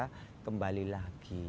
penyu bisa kembali lagi